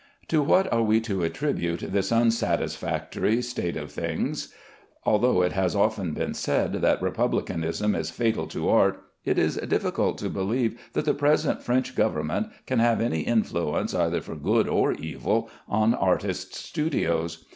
To what are we to attribute this unsatisfactory state of things? Although it has often been said that republicanism is fatal to art, it is difficult to believe that the present French Government can have any influence either for good or evil on artists' studios.